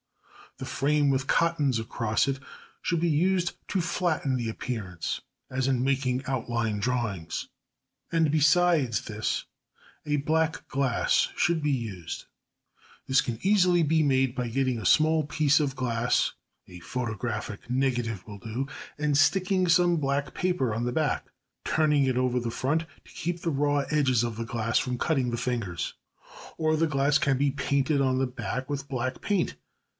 The frame with cottons across it should be used to flatten the appearance, as in making outline drawings. And besides this a black glass should be used. This can easily be made by getting a small piece of glass a photographic negative will do and sticking some black paper on the back; turning it over the front to keep the raw edges of the glass from cutting the fingers. Or the glass can be painted on the back with black paint.